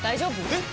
えっ⁉